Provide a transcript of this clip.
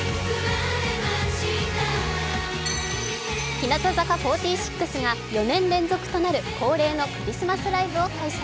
日向坂４６が４年連続となる恒例のクリスマスライブを開催。